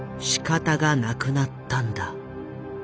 「仕方がなくなったんだ」。